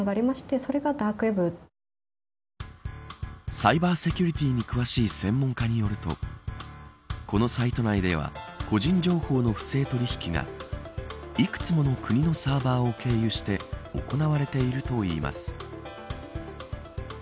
サイバーセキュリティーに詳しい専門家によるとこのサイト内では個人情報の不正取引が幾つもの国のサーバーを経由して行われているといいます。